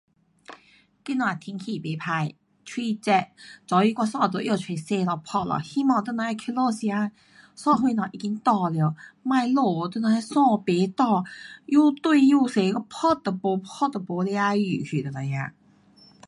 今天天气不错，蛮热，早起我衣都拿出洗了嗮了，希望等下儿回家时间衣什么已经干了，别落雨，等下儿衣不干，又堆又多，我嗮都没嗮都没位去等下儿。